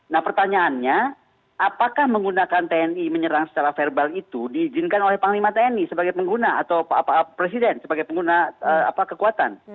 nah pertanyaannya apakah menggunakan tni menyerang secara verbal itu diizinkan oleh panglima tni sebagai pengguna atau presiden sebagai pengguna kekuatan